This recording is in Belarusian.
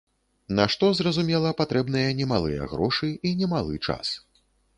На што, зразумела, патрэбныя немалыя грошы і немалы час.